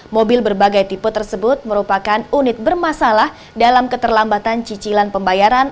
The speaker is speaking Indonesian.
mobil berbagai tipe tersebut merupakan unit bermasalah dalam keterlambatan cicilan pembayaran